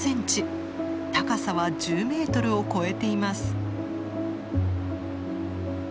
高さは１０ｍを超えています。